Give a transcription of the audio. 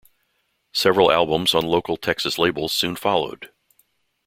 Several albums on local Texas labels soon followed.